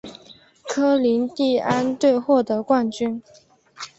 科林蒂安队获得冠军。